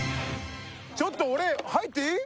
ちょっと俺入っていい？